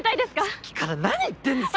さっきから何言ってんですか！